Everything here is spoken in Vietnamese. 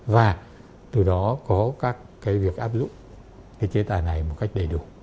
và từ đó có các cái việc áp dụng cái chế tài này một cách đầy đủ